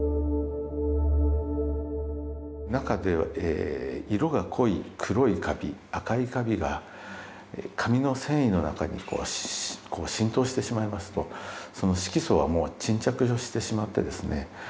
中で色が濃い黒いカビ赤いカビが紙の繊維の中に浸透してしまいますとその色素はもう沈着してしまってですね